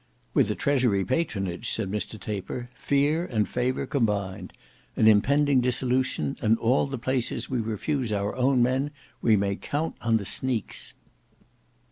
"With the Treasury patronage," said Mr Taper; "fear and favour combined. An impending dissolution, and all the places we refuse our own men, we may count on the Sneaks."